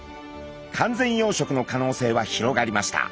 完全養殖の可能性は広がりました。